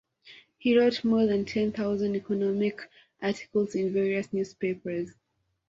He wrote more than ten thousand economic articles in various newspapers.